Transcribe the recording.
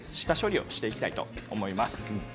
下処理をしていきたいと思います。